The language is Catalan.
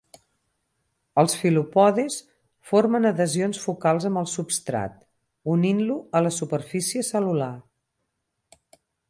Els filopodis formen adhesions focals amb el substrat, unint-lo a la superfície cel·lular.